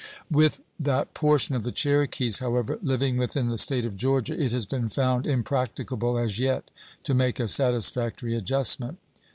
With that portion of the Cherokees, however, living within the State of Georgia it has been found impracticable as yet to make a satisfactory adjustment.